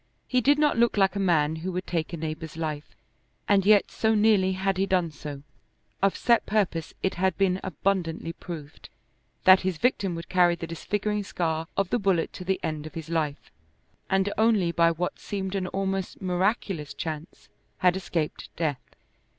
He did not look like a man who would take a neighbor's life, and yet so nearly had he done so, of set purpose it had been abundantly proved, that his victim would carry the disfiguring scar of the bullet to the end of his life, and only by what seemed an almost miraculous chance had escaped death.